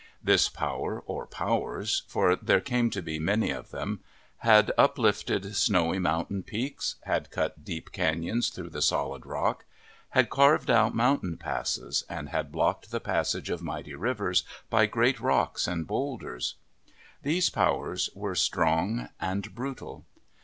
This Power, or Powers, for there came to be many of them, had uplifted snowy mountain peaks, had cut deep canons through the solid rock, had carved out mountain passes, and had blocked the passage of mighty rivers by great rocks and bowlders. These Powers were strong and brutal.